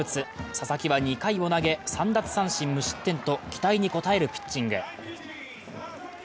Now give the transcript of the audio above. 佐々木は２回を投げ３奪三振・無失点と期待に応えるピッチング。